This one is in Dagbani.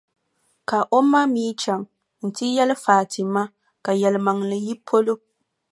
Ka o ma mi chaŋ nti yɛli Fati ma ka yɛlimaŋli yi polo.